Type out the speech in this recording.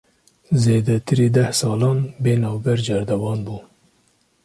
Zêdetirî deh salan, bê navber cerdevan bû